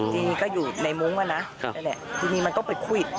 ทีนี้ก็อยู่ในมุ้งอ่ะนะทีนี้มันก็ไปขวิด